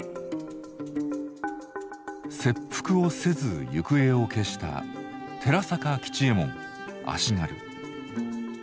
切腹をせず行方を消した寺坂吉右衛門足軽。